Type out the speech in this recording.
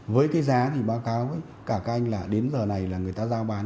với cái giá thì báo cáo với cả các anh là đến giờ này là người ta giao bán